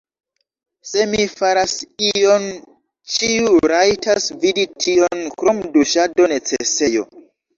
Se mi faras ion ĉiu rajtas vidi tion krom duŝado, necesejo